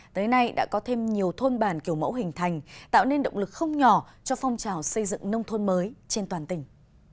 tới nay đã có thêm nhiều thôn bản kiểu mẫu hình thành tạo nên động lực không nhỏ cho phong trào xây dựng nông thôn mới trên toàn tỉnh